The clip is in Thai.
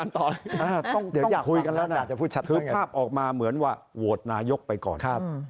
เดี๋ยวคุยกันแล้วนะคือภาพออกมาเหมือนว่าโหวตนายกไปก่อน